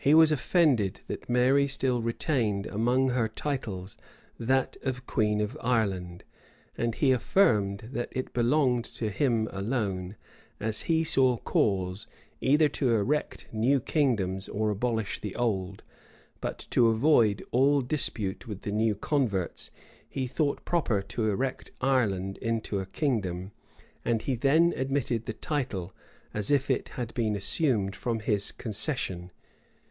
He was offended that Mary still retained among her titles that of queen of Ireland; and he affirmed that it belonged to him alone, as he saw cause, either to erect new kingdoms or abolish the old; but to avoid all dispute with the new converts, he thought proper to erect Ireland into a kingdom, and he then admitted the title, as if it had been assumed from his concession.